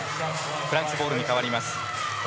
フランスボールに変わります。